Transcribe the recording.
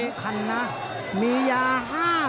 ที่สำคัญนะมียา๕๐๐๐๐นะ